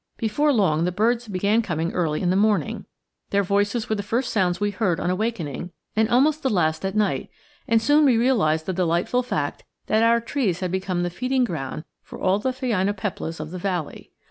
Before long the birds began coming early in the morning; their voices were the first sounds we heard on awakening and almost the last at night, and soon we realized the delightful fact that our trees had become the feeding ground for all the phainopeplas of the valley.